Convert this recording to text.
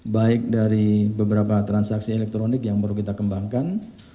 baik dari beberapa transaksi elektronik yang baru kita kembangkan